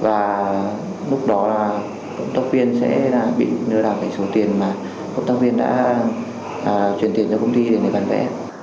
và lúc đó là cộng tác viên sẽ bị lừa đảo cái số tiền mà cộng tác viên đã chuyển tiền cho công ty để bán vẽ